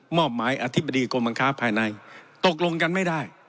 อบหมายอธิบดีกรมบังค้าภายในตกลงกันไม่ได้